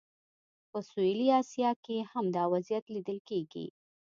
په سویلي اسیا کې هم دا وضعیت لیدل کېږي.